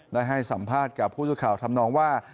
ได้ให้สัมภาษณ์กับผู้สื่อข่าวทำนองว่า